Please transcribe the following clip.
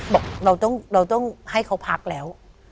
บอกเราต้องให้เขาพักแล้ว